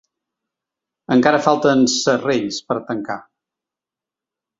Encara falten ‘serrells’ per tancar.